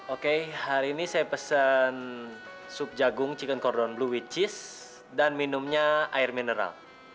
oke hari ini saya pesen sup jagung chicken cordon blue which cheese dan minumnya air mineral